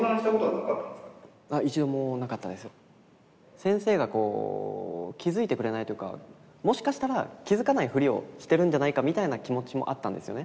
先生がこう気づいてくれないというかもしかしたら気づかないフリをしてるんじゃないかみたいな気持ちもあったんですよね。